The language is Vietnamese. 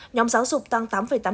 nhóm giáo dục tăng tám tám mươi bốn